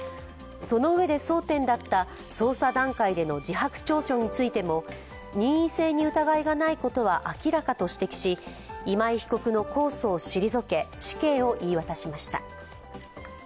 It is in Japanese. そのうえで、争点だった捜査段階での自白調書についても任意性に疑いがないことは明らかと指摘し今井被告の控訴を退け死刑を言い渡しました。